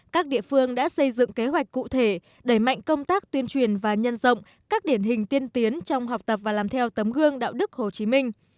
các địa phương đã xây dựng kế hoạch cụ thể đẩy mạnh công tác tuyên truyền và nhân rộng các điển hình tiên tiến trong học tập và làm theo tấm gương đạo đức hồ chí minh